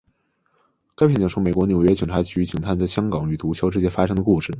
该片讲述美国纽约市警察局警探在香港与毒枭之间发生的故事。